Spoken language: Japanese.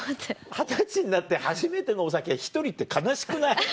二十歳になって初めてのお酒１人って悲しくない？